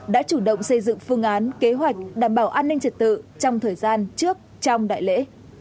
đã chủ động xây dựng phương án kế hoạch đảm bảo an ninh trật tự trong thời gian trước trong đại lễ